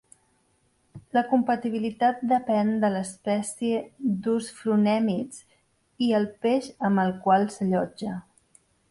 La compatibilitat depèn de l'espècie d'osfronèmids i el peix amb el qual s'allotja.